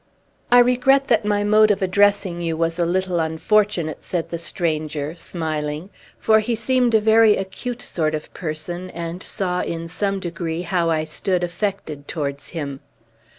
"I regret that my mode of addressing you was a little unfortunate," said the stranger, smiling; for he seemed a very acute sort of person, and saw, in some degree, how I stood affected towards him.